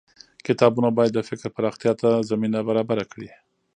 کتابونه بايد د فکر پراختيا ته زمينه برابره کړي.